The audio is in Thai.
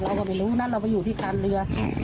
เราก็ไม่รู้นะเราไปอยู่ที่การเรือ